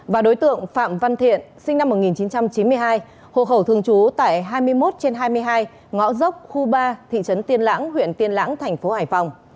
và đối tượng phạm văn thiện sinh năm một nghìn chín trăm chín mươi hai hộ khẩu thường trú tại hai mươi một trên hai mươi hai ngõ dốc khu ba thị trấn tiên lãng huyện tiên lãng thành phố hải phòng